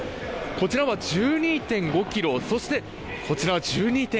こちらは１２．５ｋｇそして、こちらは１２．８ｋｇ。